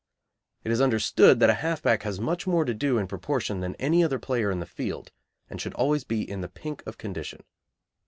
It is understood that a half back has much more to do in proportion than any other player in the field, and should always be in the pink of condition.